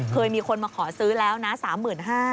เคยมีคนมาขอซื้อแล้วนะ๓๕๐๐บาท